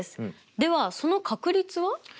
ではその確率は？